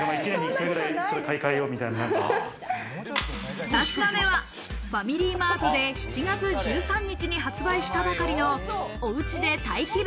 ２品目はファミリーマートで７月１３日に発売したばかりの「おウチでタイ気分！！